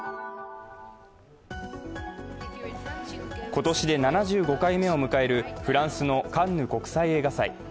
今年で７５回目を迎えるフランスのカンヌ国際映画祭。